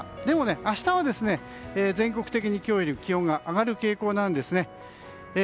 でもね、明日は全国的に今日より気温が上がる傾向なんですね。